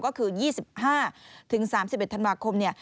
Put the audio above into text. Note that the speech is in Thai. ก็คือ๒๕๓๑ธันวาคม